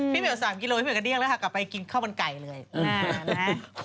พี่เม่น๓กิโลกรัมเรากลับไปกินข้าวบ้านไก่เลย